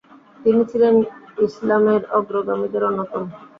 তিনি ছিলেন ইসলামের অগ্রগামীদের অন্যতম।